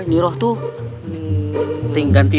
nyiroh tuh ting ganti